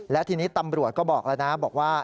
และทีนี้ตำรวจก็บอกแล้วนะบอกว่า